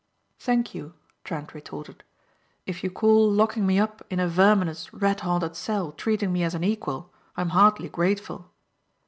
"Thank you!" Trent retorted. "If you call locking me up in a verminous, rat haunted cell treating me as an equal I'm hardly grateful."